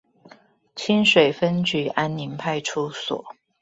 清水分局安寧派出所